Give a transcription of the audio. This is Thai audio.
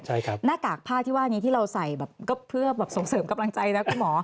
หน้ากากผ้านี้ที่เราใส่ก็เพื่อส่งเสริมกำลังใจนะคุณหมอ